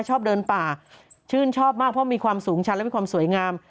ชอบเดินป่าชื่นชอบมากเพราะมีความสูงชันและมีความสวยงาม